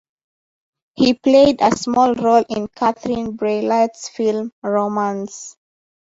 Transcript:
He played a small role in Catherine Breillat's film "Romance".